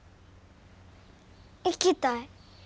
行きたい。